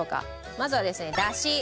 まずはですね出汁。